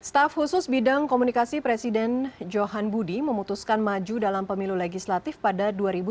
staf khusus bidang komunikasi presiden johan budi memutuskan maju dalam pemilu legislatif pada dua ribu sembilan belas